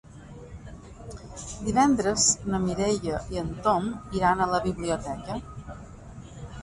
Divendres na Mireia i en Tom iran a la biblioteca.